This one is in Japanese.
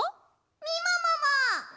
みももも！